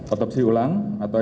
otopsi ulang atau esumasi